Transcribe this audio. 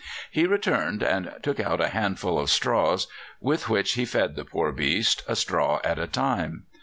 He returned and took out a handful of straws, with which he fed the poor beast, a straw at a time.